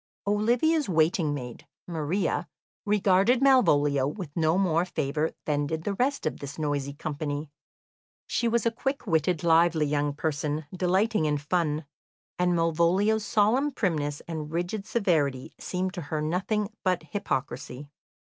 Olivia's waiting maid, Maria, regarded Malvolio with no more favour than did the rest of this noisy company. She was a quick witted, lively young person, delighting in fun, and Malvolio's solemn primness and rigid severity seemed to her nothing but hypocrisy.